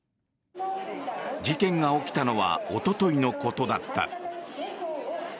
事件が起きたのはおとといのことだった。